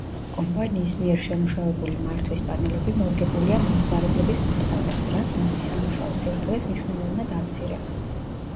კომპანიის მიერ შემუშავებული მართვის პანელები მორგებულია მომხმარებლის მოთხოვნებს, რაც მათი სამუშაოს სირთულეს მნიშვნელოვნად ამცირებს.